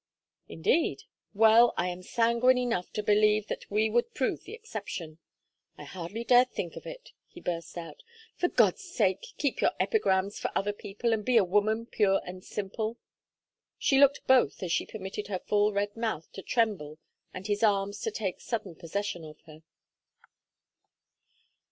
"Indeed? Well, I am sanguine enough to believe that we would prove the exception. I hardly dare think of it!" he burst out. "For God's sake keep your epigrams for other people and be a woman pure and simple." She looked both as she permitted her full red mouth to tremble and his arms to take sudden possession of her.